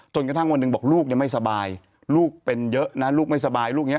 กระทั่งวันหนึ่งบอกลูกไม่สบายลูกเป็นเยอะนะลูกไม่สบายลูกนี้